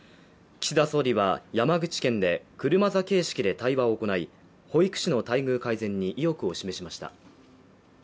岸田総理は山口県で車座形式で対話を行い保育士の待遇改善に意欲を示しました。